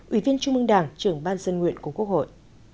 ủy viên trung mương đảng trưởng ban dân nguyện của quốc hội